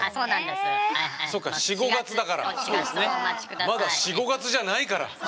まだ４５月じゃないから。